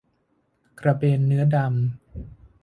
กระเบนเนื้อดำ